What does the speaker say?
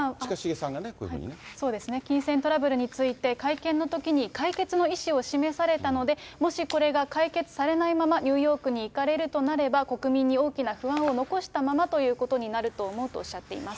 そうですね、金銭トラブルについて、会見のときに解決の意思を示されたので、もしこれが解決されないまま、ニューヨークに行かれるとなれば、国民に大きな不安を残したままということになると思うとおっしゃっています。